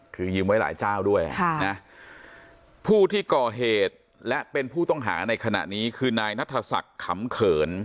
คือยืมไว้หลายเจ้าด้วยค่ะนะผู้ที่ก่อเหตุและเป็นผู้ต้องหาในขณะนี้คือนายนัทศักดิ์ขำเขิน